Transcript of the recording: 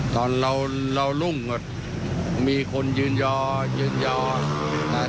ตอนเราลุงมีคนยืนยอครับ